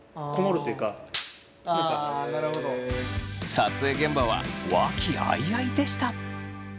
撮影現場は和気あいあいでした。